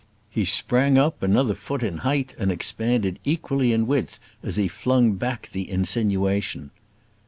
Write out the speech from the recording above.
He sprang up another foot in height, and expanded equally in width as he flung back the insinuation.